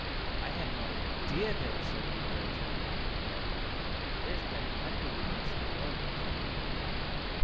"I had no idea there were so many birds around here. There's better hunting than I supposed."